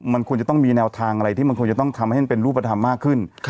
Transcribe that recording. มันควรจะต้องมีแนวทางอะไรที่มันควรจะต้องทำให้มันเป็นรูปธรรมมากขึ้น